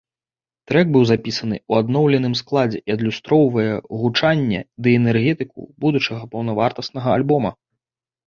Трэк быў запісаны ў адноўленым складзе і адлюстроўвае гучанне ды энергетыку будучага паўнавартаснага альбома.